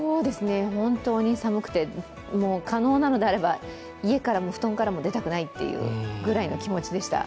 本当に寒くて、可能なのであれば家からも布団からも出たくないというぐらいの気持ちでした。